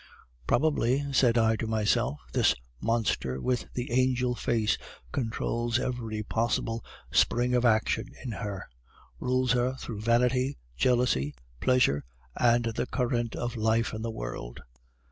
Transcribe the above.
"'Probably,' said I to myself, 'this monster with the angel face controls every possible spring of action in her: rules her through vanity, jealousy, pleasure, and the current of life in the world.